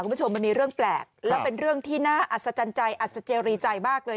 คุณผู้ชมมันมีเรื่องแปลกและเป็นเรื่องที่น่าอัศจรรย์ใจมากเลย